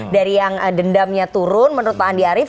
dari yang dendamnya turun menurut pak andi arief